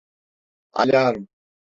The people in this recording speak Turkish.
Alarm!